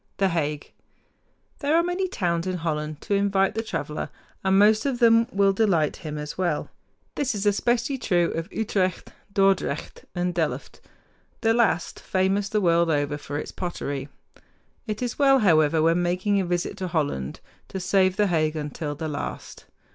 THE HAGUE There are many towns in Holland to invite the traveler, and most of them will delight him as well. This is especially true of Utrecht, Dordrecht, and Delft, the last famous the world over for its pottery. It is well, however, when making a visit to Holland, to save The Hague until the last.